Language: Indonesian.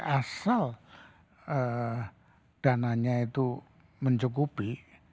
asal dananya itu mencukupi